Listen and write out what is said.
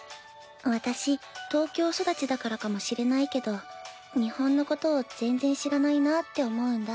私東京育ちだからかもしれないけど日本のことを全然知らないなって思うんだ。